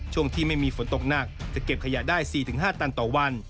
ช่วงที่ไม่มีฝนตกหนักจะเก็บขยะได้๔๕ตันต่อวัน